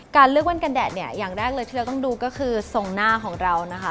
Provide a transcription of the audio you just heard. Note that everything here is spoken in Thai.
การเลือกแว่นกันแดดเนี่ยอย่างแรกเลยที่เราต้องดูก็คือทรงหน้าของเรานะคะ